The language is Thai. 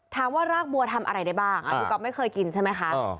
ถามว่ารากบัวทำอะไรได้บ้างอ่ะคุณก็ไม่เคยกินใช่ไหมคะ